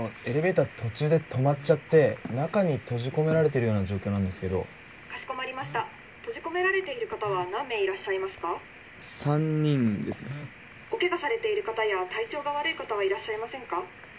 エレベーター途中で止まっちゃって中に閉じ込められてるような状況なんですけどかしこまりました閉じ込められている方は何名いらっしゃいますか３人ですねおケガされている方や体調が悪い方はいらっしゃいませんか？